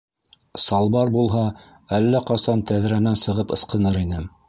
- Салбар булһа, әллә ҡасан тәҙрәнән сығып ысҡыныр инем.